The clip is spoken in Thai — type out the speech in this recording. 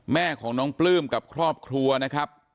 แม่ของน้องปลื้มกับครอบครัวนะครับ